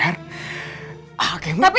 tidak mungkin kita